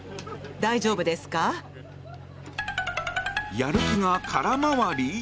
やる気が空回り？